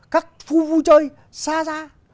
các phu vụ chơi xa ra